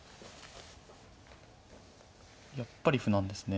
やっぱり歩なんですね。